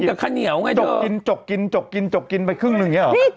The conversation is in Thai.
กินกับข้าวเหนียวไงเธอจกกินจกกินจกกินจกกินไปครึ่งหนึ่งอย่างเงี้ยเหรอ